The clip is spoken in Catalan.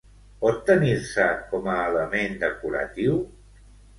Pot tenir-se com a element decoratiu?